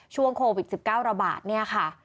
ช่วงโควิด๑๙ระบาดเนี่ยค่ะ